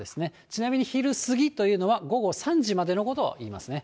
ちなみに昼過ぎというのは、午後３時までのことをいいますね。